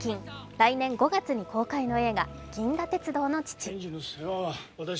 来年５月に公開の映画「銀河鉄道の父」。